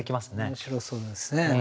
面白そうですね。